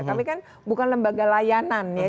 tapi kan bukan lembaga layanan ya